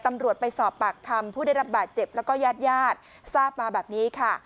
ตำรวจไปสอบปากคำผู้ได้รับบาดเจ็บแล้วก็ญาติญาติทราบมาแบบนี้ค่ะ